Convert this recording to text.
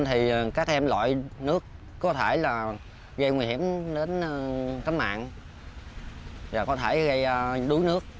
thì các em loại nước có thể gây nguy hiểm đến tấm mạng và có thể gây đuối nước